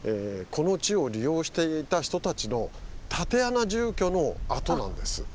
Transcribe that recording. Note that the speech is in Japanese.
この地を利用していた人たちの竪穴住居の跡なんです。